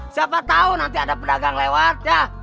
siapa tau nanti ada pedagang lewat